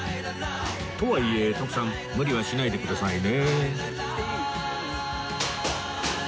とはいえ徳さん無理はしないでくださいね